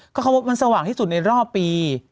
เขาว่ามันสว่างที่สุดในรอบปี